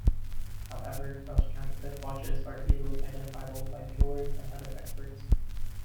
However, most counterfeit watches are easily identifiable by jewellers and other experts.